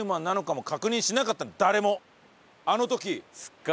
あの時。